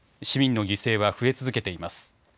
市民の犠牲は増え続けています。